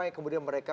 yang kemudian mereka